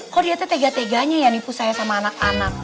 kok ternyata tega teganya ya nipu saya sama anak anak